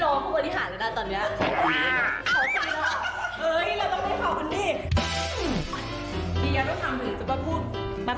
ตอนนั้นเขาออกรายการอ่ะเขาครั้งหนึ่งเขายังโดนหนูเล่นเศรษฐ์เล่นจนแบบ